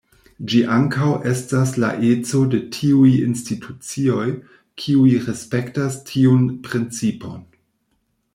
Ĝi ankaŭ estas la eco de tiuj institucioj, kiuj respektas tiun principon.